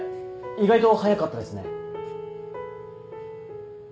意外と早かったですね。